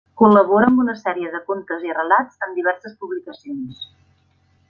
Col·labora amb una sèrie de contes i relats en diverses publicacions.